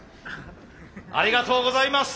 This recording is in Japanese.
ありがとうございます。